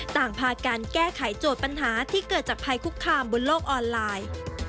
ต่างพาการแก้ไขโจทย์ปัญหาที่เกิดจากภัยคุกคามบนโลกออนไลน์